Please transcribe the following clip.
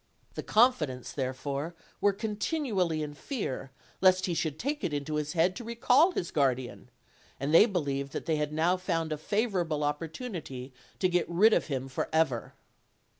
The confidants therefore were continually in fear lest he should take it into his head to recall his guardian, and they believed that they had now found a favorable opportunity to get rid of him forever.